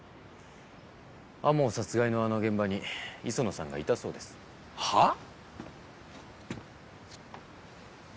天羽殺害のあの現場に磯野さんがいたそうです。はあ！？